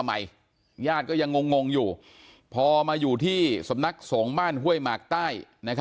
มาอย่างงงอยู่พอมาอยู่ที่สำนักสงบ้านห่วยมากใต้